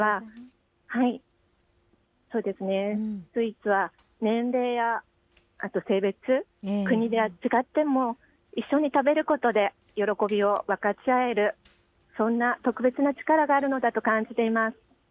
スイーツは、年齢やあと性別、国が違っても、一緒に食べることで、喜びを分かち合える、そんな特別な力があるのだと感じています。